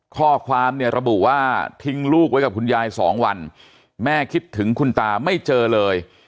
ข้อความเนี่ยระบุว่าทิ้งลูกไว้กับคุณยายสองวันแม่คิดถึงคุณตาไม่เจอเลย